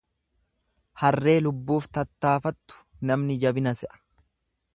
Harree lubbuuf tattaafattu namni jabina se'a.